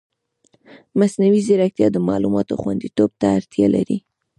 مصنوعي ځیرکتیا د معلوماتو خوندیتوب ته اړتیا لري.